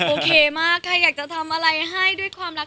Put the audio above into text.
โอเคมากใครอยากจะทำอะไรให้ด้วยความรัก